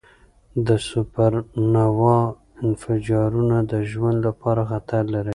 د سوپرنووا انفجارونه د ژوند لپاره خطر لري.